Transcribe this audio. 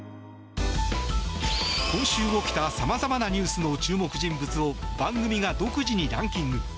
今週起きた様々なニュースの注目人物を番組が独自にランキング。